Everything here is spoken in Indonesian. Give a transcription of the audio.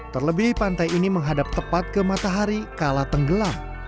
terlebih pantai ini menghadap tepat ke matahari kala tenggelam